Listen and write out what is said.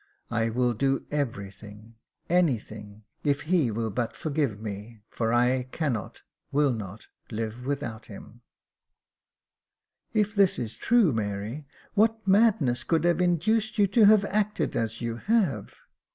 I will do everything — anything — if he will but forgive me, for I cannot, will not, live without him." Jacob Faithful 403 " If this is true, Mary, what madness could have induced you to have acted as you have